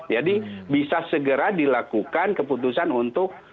jadi bisa segera dilakukan keputusan untuk